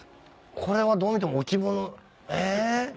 これはどう見ても置物え！